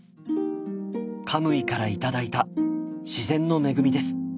カムイから頂いた自然の恵みです。